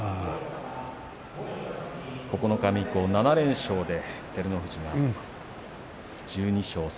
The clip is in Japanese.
九日目以降７連勝で照ノ富士が１２勝３敗。